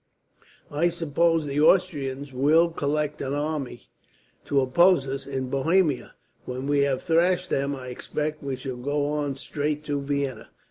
I suppose the Austrians will collect an army to oppose us, in Bohemia. When we have thrashed them, I expect we shall go on straight to Vienna."